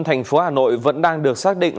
thành phố hà nội vẫn đang được xác định